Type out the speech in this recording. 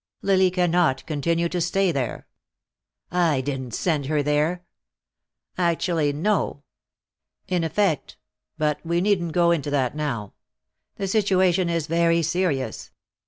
Lily cannot continue to stay there." "I didn't send her there." "Actually, no. In effect but we needn't go into that now. The situation is very serious.